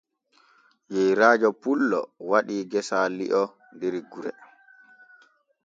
Yeyraajo pullo waɗii gesaa li'o der gure.